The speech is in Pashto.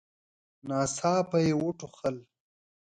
ناڅاپه يې وټوخل.